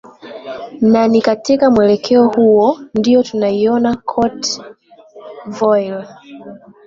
na ni katika mwelekeo huo ndio tunaiona cote dvoire